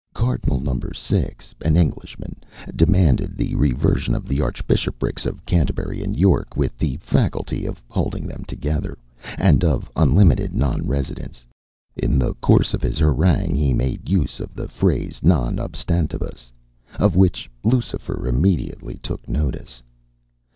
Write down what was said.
Cardinal No. 6, an Englishman, demanded the reversion of the Archbishoprics of Canterbury and York, with the faculty of holding them together, and of unlimited non residence. In the course of his harangue he made use of the phrase non obstantibus, of which Lucifer immediately took a note.